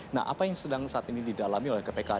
nah apa yang sedang saat ini didalami oleh kpk